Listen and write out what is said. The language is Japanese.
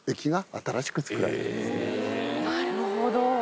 なるほど。